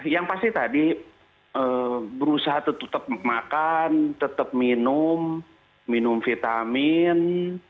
yang pasti tadi berusaha tetap makan tetap minum minum vitamin